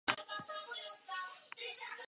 Horietako bat ikusteko aukera eskainiko du saioak.